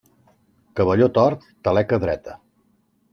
Cavalló tort, taleca dreta.